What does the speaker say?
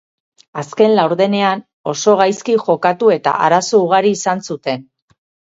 Azken laurdenean oso gaizki jokatu eta arazo ugari izan zuten.